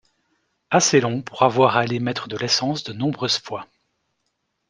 Assez longs pour avoir à aller mettre de l'essence de nombreuses fois.